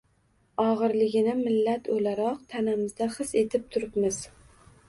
Og‘irligini millat o‘laroq tanamizda his etib turibmiz.